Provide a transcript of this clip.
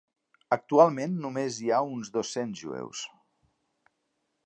Actualment només hi ha uns dos-cents jueus.